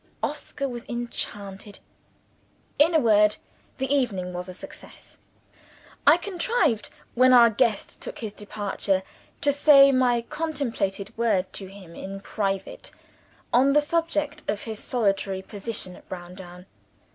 Oscar was enchanted. In a word, the evening was a success. I contrived, when our guest took his departure, to say my contemplated word to him in private, on the subject of his solitary position at Browndown.